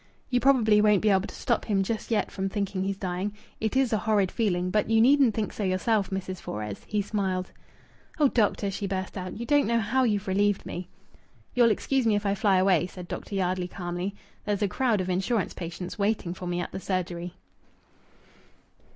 You probably won't be able to stop him just yet from thinking he's dying it is a horrid feeling but you needn't think so yourself, Mrs. Fores." He smiled. "Oh, doctor," she burst out, "you don't know how you've relieved me!" "You'll excuse me if I fly away," said Dr. Yardley calmly. "There's a crowd of insurance patients waiting for me at the surgery."